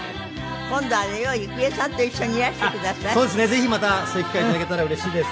ぜひまたそういう機会頂けたらうれしいです。